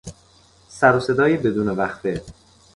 سر و صدای بدون وقفه